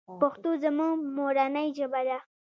پښتو زموږ مورنۍ ژبه ده.